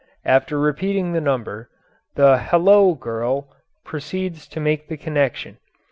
After repeating the number the "hello" girl proceeds to make the connection.